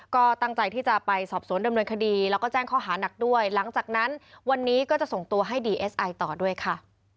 ก็ตั้งใจที่จะไปสอบสวนดำเนินคดีแล้วก็แจ้งข้อหานักด้วยหลังจากนั้นวันนี้ก็จะส่งตัวให้ดีเอสไอต่อด้วยค่ะ